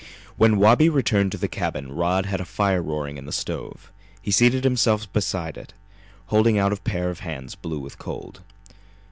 When Wabi returned to the cabin Rod had a fire roaring in the stove. He seated himself beside it, holding out a pair of hands blue with cold.